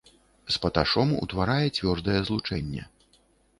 З паташом утварае цвёрдае злучэнне.